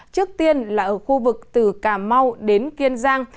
trước tiên là ở khu vực từ cà mau đến kiên giang